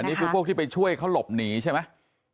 นี่คือพวกที่ไปช่วยเขาหลบหนีใช่ไหม